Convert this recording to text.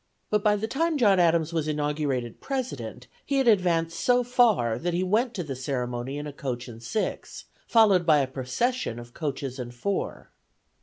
But by the time John Adams was inaugurated President, he had advanced so far that he went to the ceremony in a coach and six, followed by a procession of coaches and four.